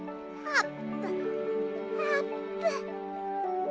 あっ！